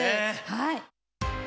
はい。